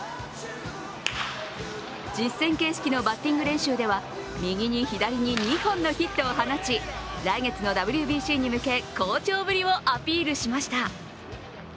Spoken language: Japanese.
実戦形式のバッティング練習では右に左に２本のヒットを放ち来月のＷＢＣに向け、好調ぶりをアピールしました。